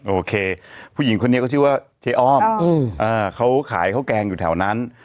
โอเคผู้หญิงคนนี้ก็ชื่อว่าเจ๊อ้อมเขาขายข้าวแกงอยู่แถวนั้น